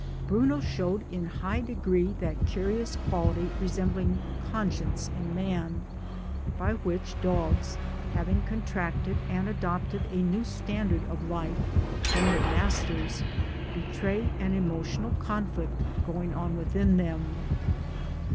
Bruno showed in high degree that curious quality resembling conscience in man, by which dogs, having contracted and adopted a new standard of life from their masters, betray an emotional conflict going on within them.